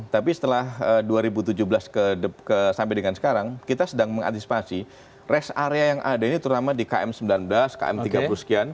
tapi setelah dua ribu tujuh belas sampai dengan sekarang kita sedang mengantisipasi rest area yang ada ini terutama di km sembilan belas km tiga puluh sekian